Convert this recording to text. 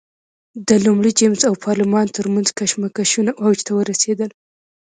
د لومړي جېمز او پارلمان ترمنځ کشمکشونه اوج ته ورسېدل.